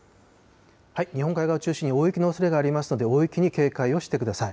日本海側を中心に大雪のおそれがありますので、大雪に警戒をしてください。